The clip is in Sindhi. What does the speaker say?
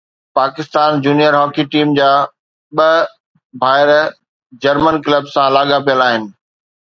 پاڪستان جونيئر هاڪي ٽيم جا ٻه ڀائر جرمن ڪلب سان لاڳاپيل آهن